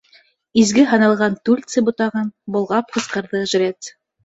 — Изге һаналған тульци ботағын болғап ҡысҡырҙы жрец.